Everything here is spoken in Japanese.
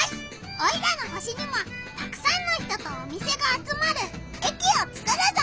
オイラの星にもたくさんの人とお店が集まる駅をつくるぞ！